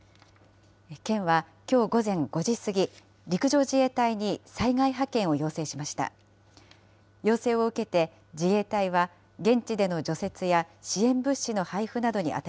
県はきょう午前５時過ぎ、陸上自衛隊に災害派遣を要請しました。